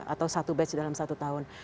atau satu batch dalam satu tahun